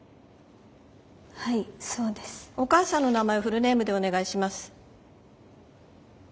お母さんの名前をフルネームでお願いします。